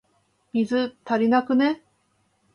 水、足りなくね？